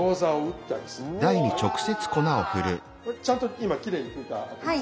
これちゃんと今きれいに拭いたあとです。